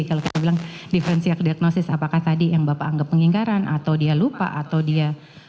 kalau kita bilang diferensial diagnosis apakah tadi yang bapak anggap pengingkaran atau dia lupa atau dia